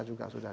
kita juga sudah